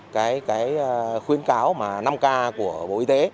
cái khuyến cáo năm k của bộ y tế